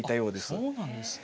そうなんですね。